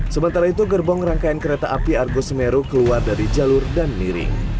sementara itu gerbong rangkaian kereta api argo semeru keluar dari jalur dan miring